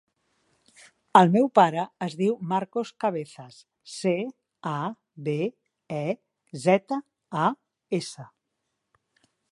El meu pare es diu Marcos Cabezas: ce, a, be, e, zeta, a, essa.